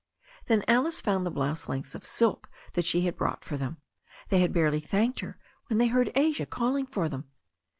Then Alice found the blouse lengths of silk that she had brought for them. They had barely thanked her when they heard Asia calling for them.